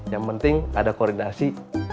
yang penting ada koordinasi